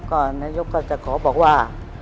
ก็นายกก็จะขอบอกว่า